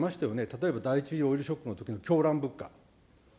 例えば第１次オイルショックのときの狂乱物価。